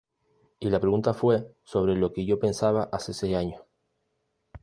Y la pregunta fue sobre lo que yo pensaba hace seis años".